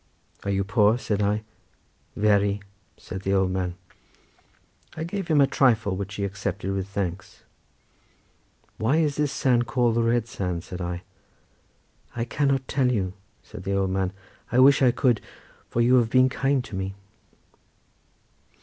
"Are you poor?" said I. "Very," said the old man. I gave him a trifle which he accepted with thanks. "Why is this sand called the red sand?" said I. "I cannot tell you," said the old man; "I wish I could, for you have been kind to me."